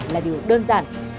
là điều đơn giản